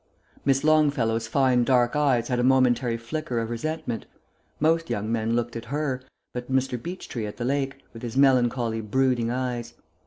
Miss Longfellow's fine dark eyes had a momentary flicker of resentment. Most young men looked at her, but Mr. Beechtree at the lake, with his melancholy brooding eyes.